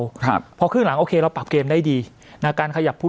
กว่าเราครับพอขึ้นหลังโอเคเราปรับเกมได้ดีนะการขยับผู้